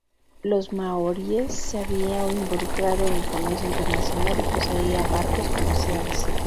Los maoríes se había involucrado en el comercio internacional y poseía barcos comerciales.